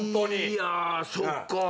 いやそっか。